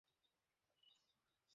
আমি একজন বেকার।